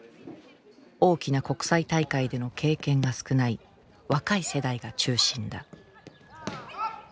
大きな国際大会での経験が少ない若い世代が中心だ。